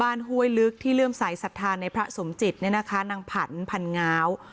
บ้านฮวยลึกที่เริ่มสายศรัทธาในพระสมจิตนางผันผันง้าว